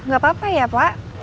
nggak apa apa ya pak